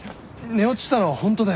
寝落ちしたのはホントだよ。